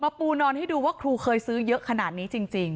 ปูนอนให้ดูว่าครูเคยซื้อเยอะขนาดนี้จริง